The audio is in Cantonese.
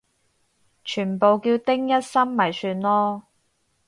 全部叫丁一心咪算囉